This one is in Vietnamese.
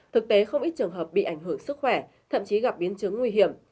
thực tế không ít trường hợp bị ảnh hưởng sức khỏe thậm chí gặp biến chứng nguy hiểm